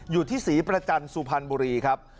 อยู่ที่ศรีประจันทร์สุพรรณบุรีครับ